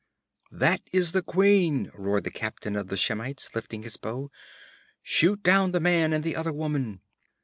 'That is the queen!' roared the captain of the Shemites, lifting his bow. 'Shoot down the man and other woman!'